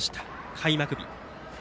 開幕日。